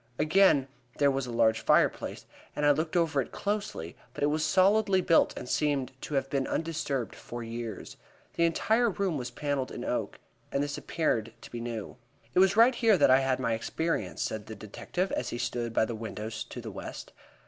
Again there was a large fireplace, and I looked over it closely; but it was solidly built and seemed to have been undisturbed for years. The entire room was paneled in oak, and this appeared to be new. "It was right here that I had my experience," said the detective, as he stood by the windows to the west.